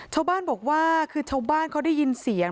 ชาวบ้านบอกว่าคือชาวบ้านเขาได้ยินเสียง